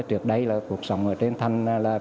trước đây cuộc sống ở trên thành là chế những tấm tôn